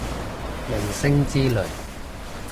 明星之類